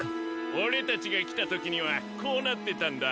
オレたちがきたときにはこうなってたんだ。